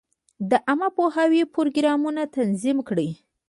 د عامه پوهاوي پروګرامونه تنظیم کړي.